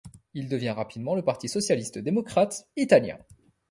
Il devient rapidement le Parti socialiste démocrate italien.